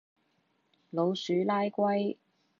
老鼠拉龜